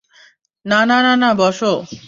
না, না, না, না, বসো।